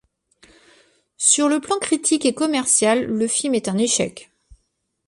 Sur le plan critique et commercial, le film est un échec.